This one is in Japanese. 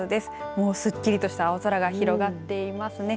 もうすっきりとした青空が広がってますね。